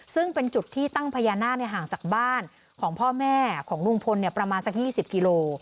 ซึ่งเป็นจุดที่ตั้งพญานาคห่างจากบ้านของพ่อแม่ของลุงพลประมาณสัก๒๐กิโล